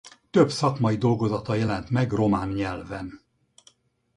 Több szakmai dolgozata jelent meg román nyelven.